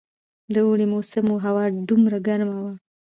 د اوړي موسم وو، هوا دومره ګرمه وه.